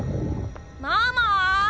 ママ。